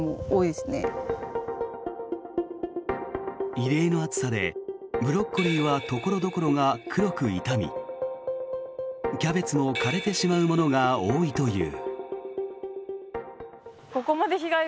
異例の暑さでブロッコリーは所々が黒く傷みキャベツも枯れてしまうものが多いという。